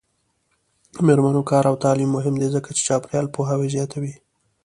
د میرمنو کار او تعلیم مهم دی ځکه چې چاپیریال پوهاوی زیاتوي.